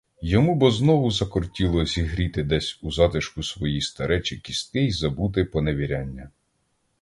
Йому бо знову закортіло зігріти десь у затишку свої старечі кістки й забути поневіряння.